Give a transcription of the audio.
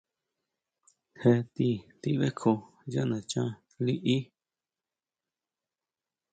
Jé ti bʼekjoo yá nachán liʼí.